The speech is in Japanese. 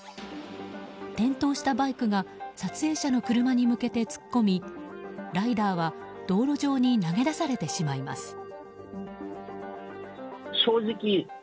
転倒したバイクが撮影者の車に向けて突っ込みライダーは道路上に投げ出されてしまいます。